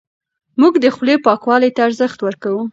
موږ د خولې پاکوالي ته ارزښت ورکوو.